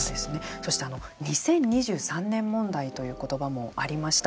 そして２０２３年問題という言葉もありました。